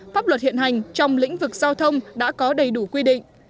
pháp luật hiện hành trong lĩnh vực giao thông đã có đầy đủ quy định